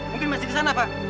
mungkin masih di sana pak